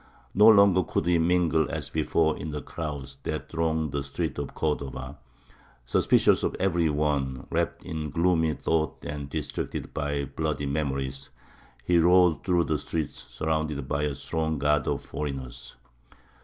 No longer could he mingle as before in the crowds that thronged the streets of Cordova; suspicious of every one, wrapped in gloomy thoughts and distracted by bloody memories, he rode through the streets surrounded by a strong guard of foreigners.